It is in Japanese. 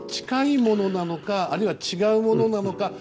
近いものなのかあるいは違うものなのか。